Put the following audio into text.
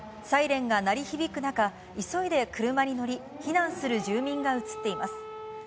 サイレンが鳴り響く中、急いで車に乗り、避難する住民が写っています。